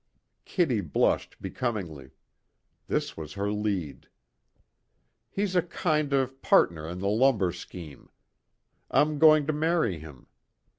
Kitty blushed becomingly; this was her lead. "He's a kind of partner in the lumber scheme; I'm going to marry him.